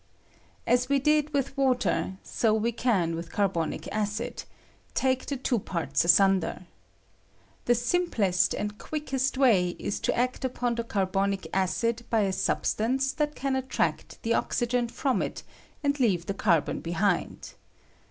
Aa we did with water, so we can with carbonic acid — take the two parts asunder. The sim plest and quickest way is to act upon the car bonic acid by a substance that can attract the oxygen from it, and leave the carbon behind.